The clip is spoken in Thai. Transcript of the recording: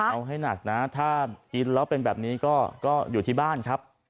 เอาให้หนักนะถ้ากินแล้วเป็นแบบนี้ก็อยู่ที่บ้านครับ